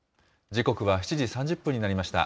時刻は７時３０分になりました。